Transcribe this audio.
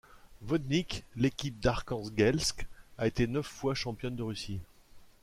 Vodnik, l'équipe d'Arkhangelsk, a été neuf fois championne de Russie.